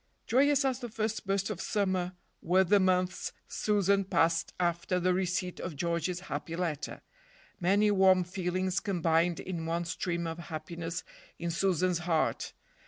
Joyous as the first burst of summer were the months Susan passed after the receipt of George's happy letter. Many warm feelings combined in one stream of happiness in Susan's heart.